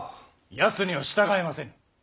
やつには従えませぬ。